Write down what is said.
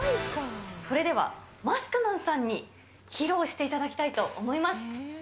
それでは、マスクマンさんに披露していただきたいと思います。